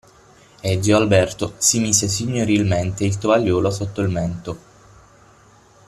E zio Alberto si mise signorilmente il tovagliolo sotto il mento.